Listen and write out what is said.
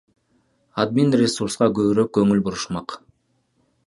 Админресурска көбүрөөк көңүл бурушмак.